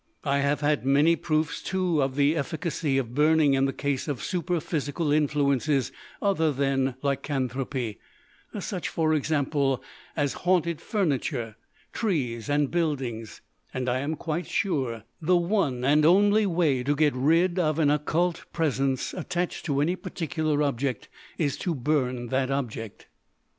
I have had many proofs, too, of the efficacy of burning in the case of superphysical influences other than lycanthropy; such, for example, as haunted furniture, trees, and buildings; and I am quite sure the one and only way to get rid of an occult presence attached to any particular object is to burn that object.